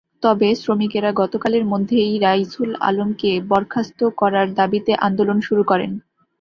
তবে শ্রমিকেরা গতকালের মধ্যেই রাইসুল আলমকে বরখাস্ত করার দাবিতে আন্দোলন শুরু করেন।